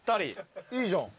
いいじゃん。